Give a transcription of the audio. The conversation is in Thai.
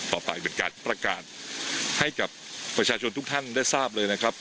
เป็นการประกาศให้กับประชาชนทุกท่านได้ทราบเลยนะครับ